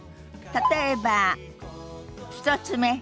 例えば１つ目。